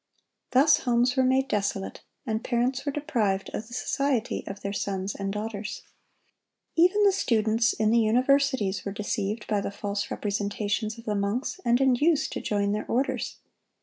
Thus homes were made desolate, and parents were deprived of the society of their sons and daughters. Even the students in the universities were deceived by the false representations of the monks, and induced to join their orders.